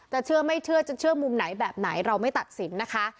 เชื่อไม่เชื่อจะเชื่อมุมไหนแบบไหนเราไม่ตัดสินนะคะ